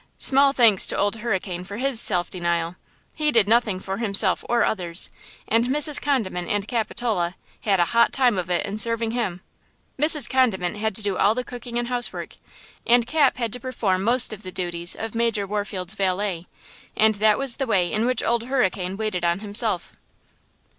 Small thanks to Old Hurricane for his self denial! He did nothing for himself or others, and Mrs. Condiment and Capitola had a hot time of it in serving him. Mrs. Condiment had to do all the cooking and housework. And Cap had to perform most of the duties of Major Warfield's valet. And that was the way in which Old Hurricane waited on himself.